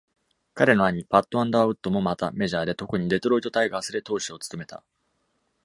彼の兄、パット・アンダーウッドもまた、メジャーで、特にデトロイト・タイガースで投手を務めた。